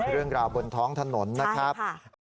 เรื่องราวบนท้องถนนนะครับใช่ค่ะใช่ค่ะ